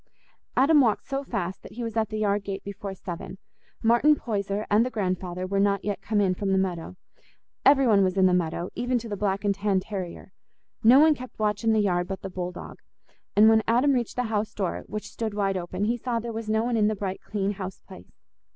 Adam walked so fast that he was at the yard gate before seven. Martin Poyser and the grandfather were not yet come in from the meadow: every one was in the meadow, even to the black and tan terrier—no one kept watch in the yard but the bull dog; and when Adam reached the house door, which stood wide open, he saw there was no one in the bright clean house place.